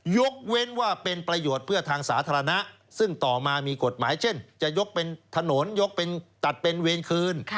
ยกเว้นว่าเป็นประโยชน์เพื่อทางสาธารณะซึ่งต่อมามีกฎหมายเช่นจะยกเป็นถนนยกเป็นตัดเป็นเวรคืน